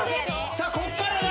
さあこっからだ！